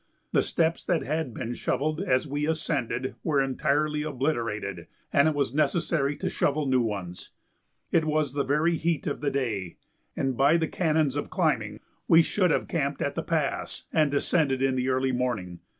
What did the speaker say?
The steps that had been shovelled as we ascended were entirely obliterated and it was necessary to shovel new ones; it was the very heat of the day, and by the canons of climbing we should have camped at the Pass and descended in the early morning.